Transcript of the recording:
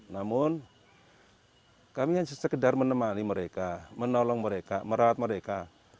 namun kami hanya sekedar menemani mereka menolong mereka merawat mereka